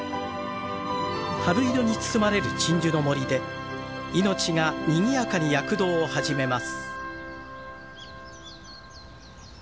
春色に包まれる鎮守の森で命がにぎやかに躍動を始めます。